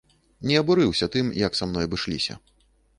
Не абурыўся тым, як са мной абышліся.